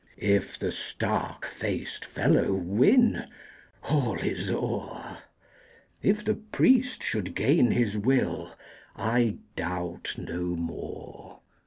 If the stark faced fellow win, All is o'er! If the priest should gain his will I doubt no more!